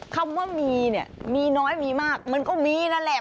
คำว่ามีเนี่ยมีน้อยมีมากมันก็มีนั่นแหละ